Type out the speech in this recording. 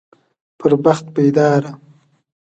پر بخت بيداره